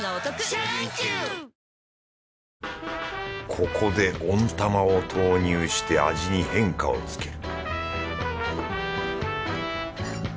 ここで温卵を投入して味に変化をつける